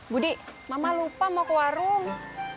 budi mama lupa mau ke warung